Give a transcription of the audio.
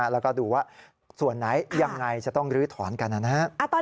แล้วก็ดูว่าส่วนไหนยังไงจะต้องลื้อถอนกันนะครับ